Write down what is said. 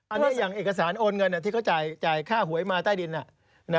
อันนี้อย่างเอกสารโอนเงินที่เขาจ่ายค่าหวยมาใต้ดิน